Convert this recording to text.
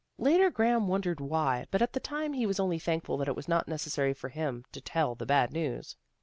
Later Graham wondered why, but at the time he was only thankful that it was not necessary for him to tell the bad news.